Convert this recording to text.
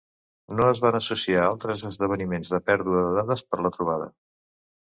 No es van associar altres esdeveniments de pèrdua de dades per la trobada.